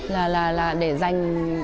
là là là để dành